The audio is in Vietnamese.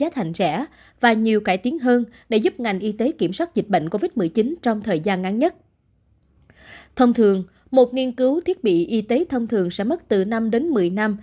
thông thường một nghiên cứu thiết bị y tế thông thường sẽ mất từ năm đến một mươi năm